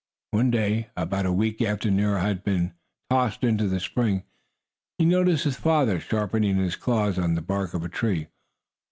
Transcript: One day, about a week after Nero had been tossed into the spring, he noticed his father sharpening his claws on the bark of a tree.